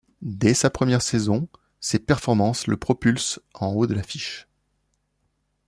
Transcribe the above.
Dès sa première saison, ses performances le propulsent en haut de l'affiche.